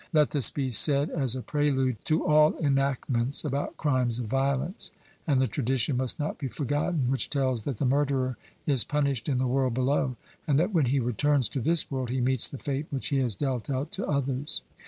Let this be said as a prelude to all enactments about crimes of violence; and the tradition must not be forgotten, which tells that the murderer is punished in the world below, and that when he returns to this world he meets the fate which he has dealt out to others.